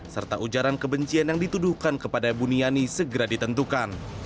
serta ujaran kebencian yang dituduhkan kepada buniani segera ditentukan